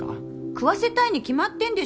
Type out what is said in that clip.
食わせたいに決まってんでしょ